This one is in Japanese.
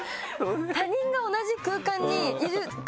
他人が同じ空間にいる空間で。